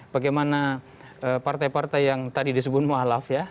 bagaimana partai partai yang tadi disebut muhalaf ya